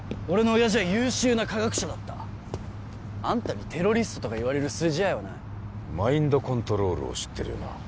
俺の親父は優秀な科学者だったあんたにテロリストとか言われる筋合いはないマインドコントロールを知ってるよな？